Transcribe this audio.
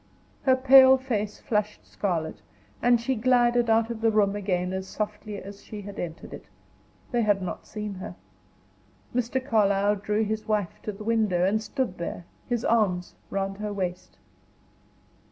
Her pale face flushed scarlet, and she glided out of the room again as softly as she had entered it. They had not seen her. Mr. Carlyle drew his wife to the window, and stood there, his arms round her waist.